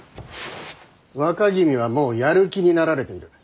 若君はもうやる気になられている。